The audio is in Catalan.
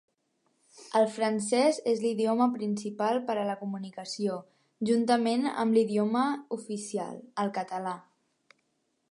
El francès és l'idioma principal per a la comunicació, juntament amb l'idioma oficial, el català.